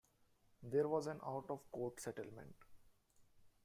There was an out-of-court settlement.